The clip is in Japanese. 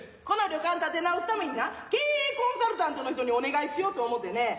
この旅館立て直すためにな経営コンサルタントの人にお願いしようと思うてね。